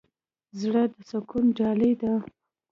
زړه د سکون ډالۍ ده.